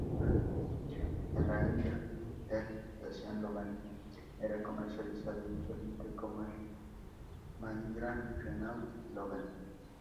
En la India, el "Dacia Logan" era comercializado inicialmente como el "Mahindra-Renault Logan".